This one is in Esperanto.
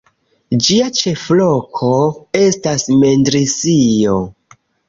Ĝia ĉefloko estas Mendrisio.